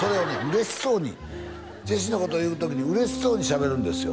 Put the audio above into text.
嬉しそうにジェシーのこと言う時に嬉しそうにしゃべるんですよ